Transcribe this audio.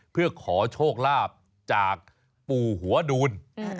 เพื่อขอโชคลาภจากปู่หัวดูล